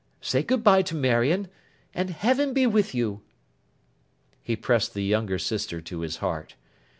Say good bye to Marion. And Heaven be with you!' He pressed the younger sister to his heart.